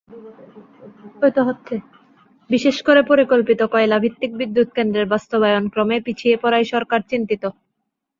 বিশেষ করে পরিকল্পিত কয়লাভিত্তিক বিদ্যুৎকেন্দ্রের বাস্তবায়ন ক্রমেই পিছিয়ে পড়ায় সরকার চিন্তিত।